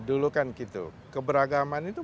dulu kan gitu keberagaman itu